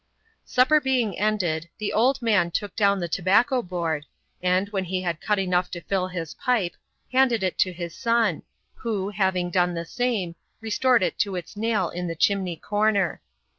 Supper being ended, the old man took down the tobacco board, and, when he had cut enough to fill his pipe, handed it to his son, who, having done the same, restored it to its nail in the chimney corner.